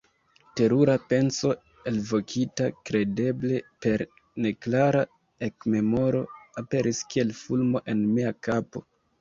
Terura penso, elvokita kredeble per neklara ekmemoro, aperis kiel fulmo en mia kapo.